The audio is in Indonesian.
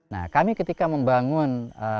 nah kami ketika membangun